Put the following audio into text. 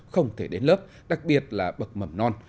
không thể đến lớp đặc biệt là bậc mầm non